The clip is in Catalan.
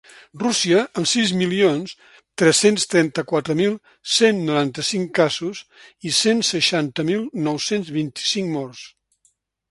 Rússia, amb sis milions tres-cents trenta-quatre mil cent noranta-cinc casos i cent seixanta mil nou-cents vint-i-cinc morts.